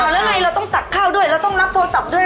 แล้วไหนต้องจัดข้าวด้วยแล้วต้องรับโทรศัพท์ด้วย